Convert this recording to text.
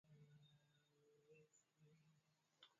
Mamia ya wanajeshi wamepelekwa katika milima ya msituni